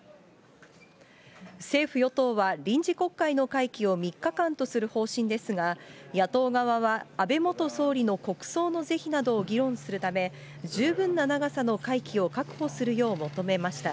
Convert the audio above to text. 政府・与党は臨時国会の会期を３日間とする方針ですが、野党側は安倍元総理の国葬の是非などを議論するため、十分な長さの会期を確保するよう求めました。